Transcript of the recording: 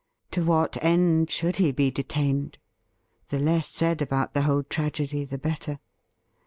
To what end should he be detained ? The less said about the whole tragedy the better.